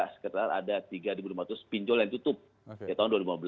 sekitar ada tiga lima ratus pinjol yang tutup di tahun dua ribu lima belas